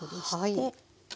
はい。